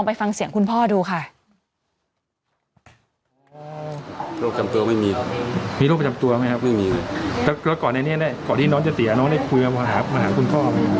ในนี้ก่อนที่น้องจะเสียน้องได้คุยเอามาหาคุณพ่อ